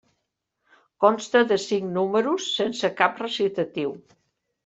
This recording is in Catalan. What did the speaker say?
Consta de cinc números sense cap recitatiu.